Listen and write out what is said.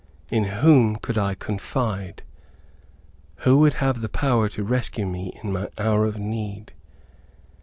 In whom could I confide? Who would have the power to rescue me in my hour of need?